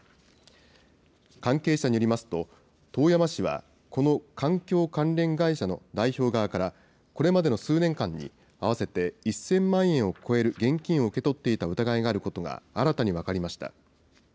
関係者によりますと、遠山氏は、この環境関連会社の代表側から、これまでの数年間に合わせて１０００万円を超える現金を受け取っていた疑いがあることが新たに分かりました。